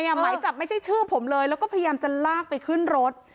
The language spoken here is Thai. หมายจับไม่ใช่ชื่อผมเลยแล้วก็พยายามจะลากไปขึ้นรถ